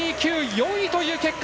４位という結果。